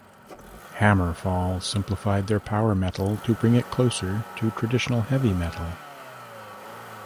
HammerFall simplified their power metal to bring it closer to traditional heavy metal.